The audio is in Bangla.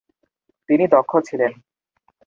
তিনি দক্ষ ছিলেন ।